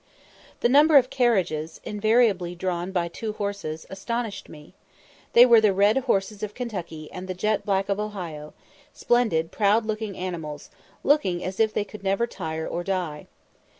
The number of carriages, invariably drawn by two horses, astonished me. They were the "red horses" of Kentucky and the jet black of Ohio, splendid, proud looking animals, looking as if they could never tire or die.